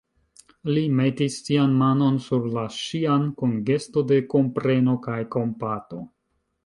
Li metis sian manon sur la ŝian kun gesto de kompreno kaj kompato.